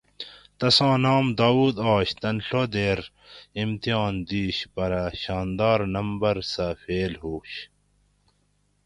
تساں نام داؤد آش تن ڷ دیر امتحان دیش پرہ شانداۤر نمبر سہ فیل ھوش